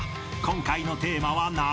［今回のテーマは夏］